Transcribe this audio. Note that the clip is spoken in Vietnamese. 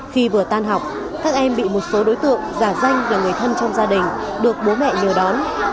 khi vừa tan học các em bị một số đối tượng giả danh là người thân trong gia đình được bố mẹ đưa đón